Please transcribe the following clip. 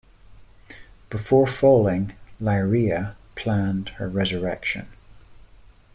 Before falling, Illyria planned her resurrection.